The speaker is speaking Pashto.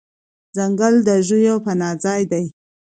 ځنګل د ژوو پناه ځای دی.